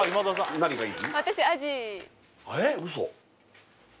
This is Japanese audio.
何がいい？